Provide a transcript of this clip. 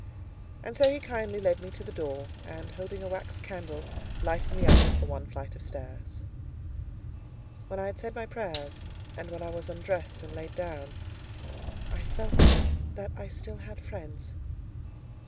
And so he kindly led me to the door, and holding a wax candle, lighted me up the one flight of stairs. When I had said my prayers, and when I was undressed and laid down, I felt that I still had friends.